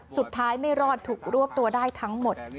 สุดท้ายไม่รอดถูกรวบตัวได้ทั้งหมด